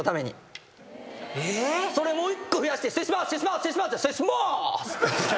それもう１個増やして。